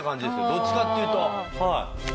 どっちかっていうと。